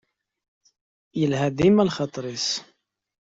Yelha dima lxaṭer-is.